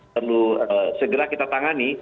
perlu segera kita tangani